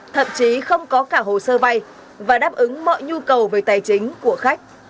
thậm chí không có cả hồ sơ vay và đáp ứng mọi nhu cầu về tài chính của khách